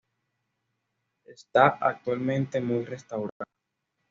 Está actualmente muy restaurada.